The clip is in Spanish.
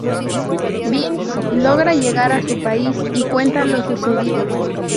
Binns logra llegar a su país y cuenta lo sucedido.